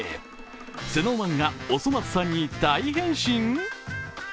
ＳｎｏｗＭａｎがおそ松さんに大変身！？